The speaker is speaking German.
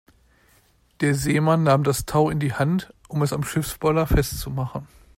Der Seemann nahm das Tau in die Hand, um es am Schiffspoller festzumachen.